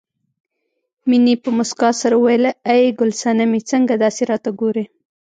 مينې په مسکا سره وویل ای ګل سنمې څنګه داسې راته ګورې